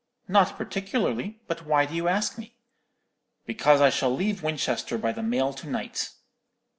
"'Not particularly; but why do you ask me?' "'Because I shall leave Winchester by the mail to night.'